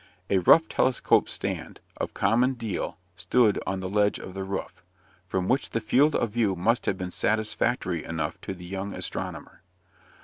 A rough telescope stand, of common deal, stood on the ledge of the roof, from which the field of view must have been satisfactory enough to the young astronomer.